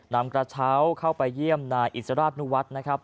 นำกระเช้าเข้าไปเยี่ยมนายอิสราชนุวัฒน์นะครับ